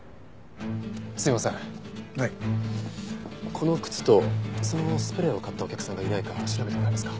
この靴とそのスプレーを買ったお客さんがいないか調べてもらえますか？